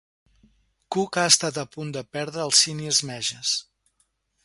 Cook ha estat a punt de perdre als 'senior majors'.